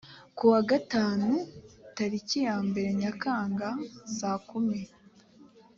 kuwa gatanu tariki ya mbere nyakanga saa kumi